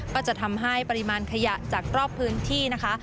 ก็จะทำให้ปริมาณขยะจากรอบพื้นที่นะคะ